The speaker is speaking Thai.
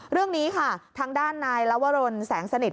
เรื่องนี้ค่ะทางด้านนายลวรนแสงสนิท